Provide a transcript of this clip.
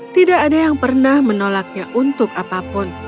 tidak ada yang pernah menolaknya untuk apapun